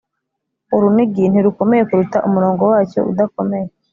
urunigi ntirukomeye kuruta umurongo wacyo udakomeye.